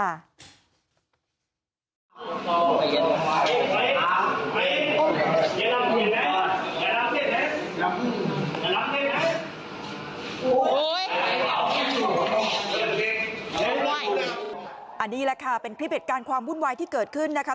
อันนี้แหละค่ะเป็นคลิปเหตุการณ์ความวุ่นวายที่เกิดขึ้นนะคะ